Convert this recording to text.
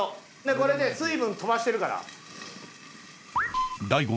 これで水分飛ばしてるから。